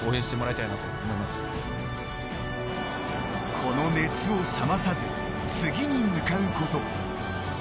この熱を冷まさず次に向かうこと。